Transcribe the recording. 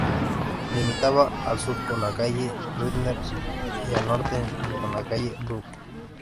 Limitaba al sur con la calle Ritter y al norte con la calle Brühl.